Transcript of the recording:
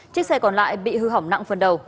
chiếc xe còn lại bị hư hỏng nặng phần đầu